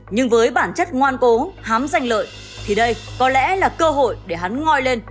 nhưng với bản chất ngoan cố hám danh lợi thì đây có lẽ là cơ hội để hắn ngoi lên